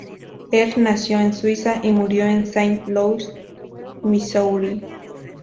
Él nació en Suiza y murió en Saint Louis, Missouri.